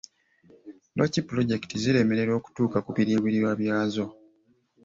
Lwaki pulojekiti ziremererwa okutuuka ku biruubirirwa byazo?